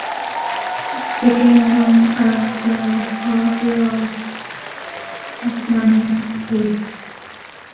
This became known as the fabulous Tasmanian Reef.